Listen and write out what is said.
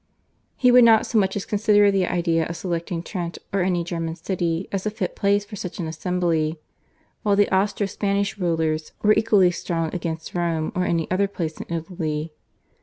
He would not so much as consider the idea of selecting Trent or any German city as a fit place for such an assembly, while the Austro Spanish rulers were equally strong against Rome or any other place in Italy.